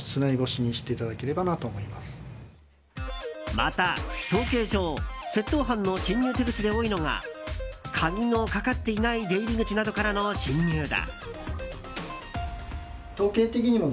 また、統計上窃盗犯の侵入手口で多いのが鍵のかかっていない出入り口などからの侵入だ。